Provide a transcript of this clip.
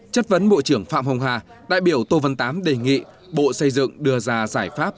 chất vấn bộ trưởng phạm hồng hà đại biểu tô văn tám đề nghị bộ xây dựng đưa ra giải pháp